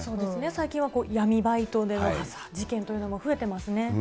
最近は闇バイトでの事件というのも増えてます